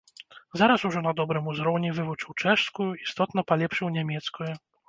Зараз ужо на добрым узроўні вывучыў чэшскую, істотна палепшыў нямецкую.